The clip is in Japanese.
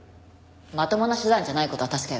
まともな手段じゃない事は確かよね。